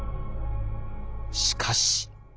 しかし。